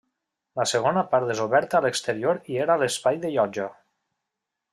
La segona part és oberta a l'exterior i era l'espai de llotja.